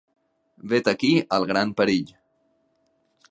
Vet aquí el gran perill.